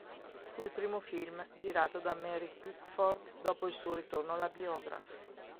Fu il primo film girato da Mary Pickford dopo il suo ritorno alla Biograph.